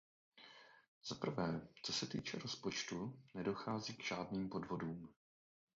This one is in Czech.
Za prvé, co se týče rozpočtu, nedochází k žádným podvodům.